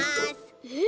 えっ？